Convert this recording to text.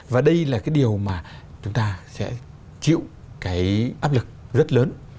và đây là cái điều mà chúng ta sẽ chịu cái áp lực rất lớn